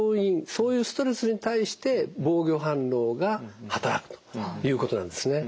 そういうストレスに対して防御反応が働くということなんですね。